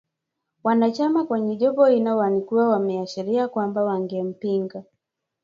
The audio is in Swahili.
Wanachama kwenye jopo hilo walikuwa wameashiria kwamba wangempinga